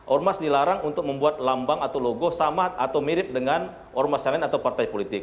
ormas dilarang untuk membuat lambang atau logo sama atau mirip dengan ormas yang lain atau partai politik